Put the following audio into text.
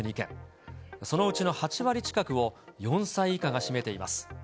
そのうちの８割近くを４歳以下が占めています。